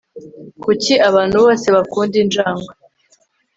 kuki abantu bose bakunda injangwe